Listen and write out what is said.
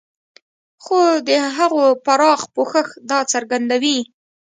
خو د هغو پراخ پوښښ دا څرګندوي.